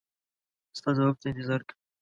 ستا ځواب ته انتظار کوي.